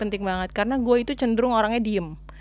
penting banget karena gue itu cenderung orangnya diem